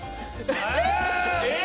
えっ？